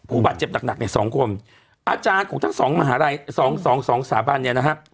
ผู้บาดเจ็บหนักเนี่ยสองคนอาจารย์ของทั้งสองมหาลัยสองสองสาบันเนี่ยนะฮะ